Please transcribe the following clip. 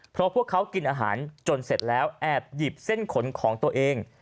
เพราะพวกเขากินอาหารจนเสร็จแล้วแอบหยิบเส้นขนของตัวเอง